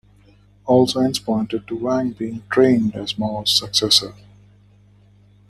All signs pointed to Wang being trained as Mao's successor.